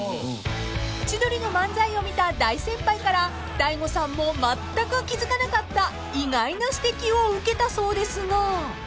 ［千鳥の漫才を見た大先輩から大悟さんもまったく気付かなかった意外な指摘を受けたそうですが］